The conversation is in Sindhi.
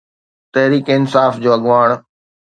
تحريڪ انصاف جو اڳواڻ.